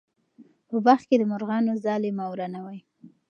په باغ کې د مرغانو ځالې مه ورانوئ.